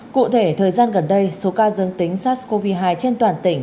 cụ thể thời gian gần đây số ca dương tính sars cov hai trên toàn tỉnh